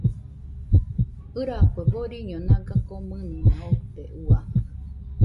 ɨrafue boriño naga komɨnɨna ote, Ua